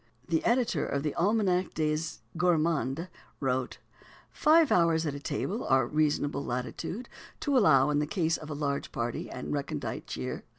The editor of the Almanach des Gourmands wrote: "Five hours at table are a reasonable latitude to allow in the case of a large party and recondite cheer."